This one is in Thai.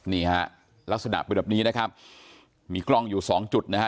นี่ฮะลักษณะเป็นแบบนี้นะครับมีกล้องอยู่สองจุดนะฮะ